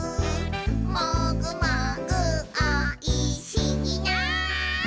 「もぐもぐおいしいな」